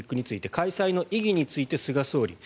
開催の意義について菅総理。